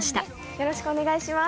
よろしくお願いします。